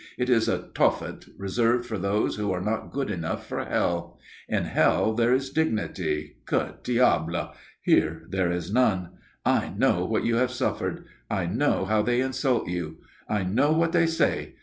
It is a Tophet reserved for those who are not good enough for hell. In hell there is dignity, que diable! Here there is none. I know what you have suffered. I know how they insult you. I know what they say.